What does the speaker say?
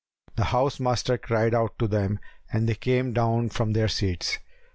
The house master cried out to them and they came down from their seats.